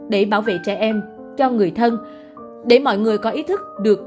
để bảo vệ trẻ em cho người thân để mọi người có ý thức được